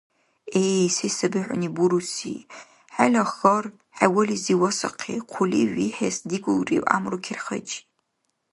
Эй, се саби хӀуни буруси?! ХӀела хьар хӀевализи васахъи, хъулив вихӀес дигулрив гӀямру керхайчи?